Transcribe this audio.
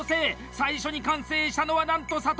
最初に完成したのはなんと佐藤！